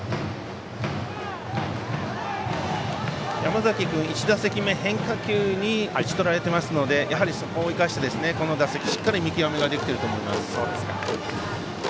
山崎君、１打席目変化球に打ち取られていますのでやはりそこを生かして、この打席しっかり見極めができていると思います。